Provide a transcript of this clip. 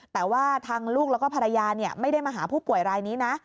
แต่ว่าทางลูกแล้วก็ภรรยาไม่ได้มาหาผู้ป่วยรายนี้นะ